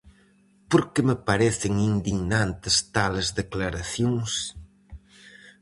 Por que me parecen indignantes tales declaracións?